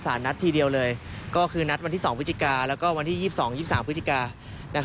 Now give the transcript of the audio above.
นัดทีเดียวเลยก็คือนัดวันที่๒พฤศจิกาแล้วก็วันที่๒๒๒๓พฤศจิกา